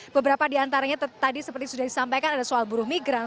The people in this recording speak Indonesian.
beberapa di antaranya tadi seperti sudah disampaikan ada soal buruh migran